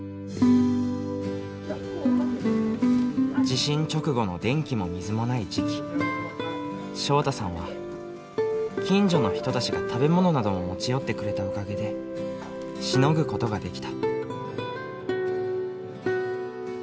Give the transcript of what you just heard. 地震直後の電気も水もない時期昇汰さんは近所の人たちが食べ物などを持ち寄ってくれたおかげでしのぐことができた。